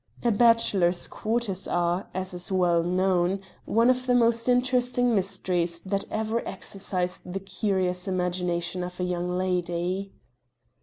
A bachelor's quarters are, as is well known, one of the most interesting mysteries that ever exercise the curious imagination of a young lady.